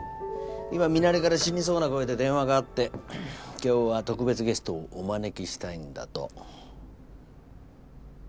今ミナレから死にそうな声で電話があって今日は特別ゲストをお招きしたいんだと。